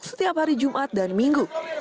setiap hari jumat dan minggu